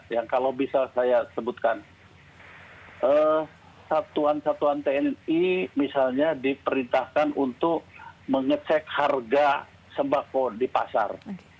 yang kalau bisa saya sebutkan satuan satuan tni misalnya diperintahkan untuk mengecek harga sembako di pasar